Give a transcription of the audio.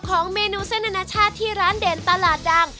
ของเมนูเส้นอนาชาติที่ร้านเด่นตลาดดัง